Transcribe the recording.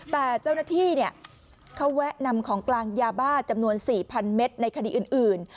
แต่เจ้าหน้าที่เขาแวะนำของกลางยาบ้าจำนวน๔๐๐เมตรในคดีอื่น